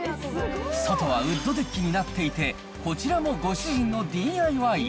外はウッドデッキになっていて、こちらもご主人のＤＩＹ。